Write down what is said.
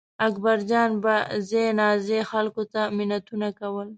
اکبرجان به ځای ناځای خلکو ته منتونه کول.